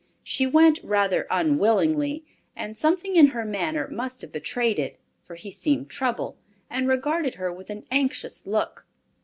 She went rather unwillingly, and something in her manner must have betrayed it, for he seemed troubled, and regarded her with an anxious look.